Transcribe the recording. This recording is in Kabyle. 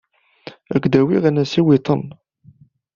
Ad k-d-awiɣ anasiw-iḍen.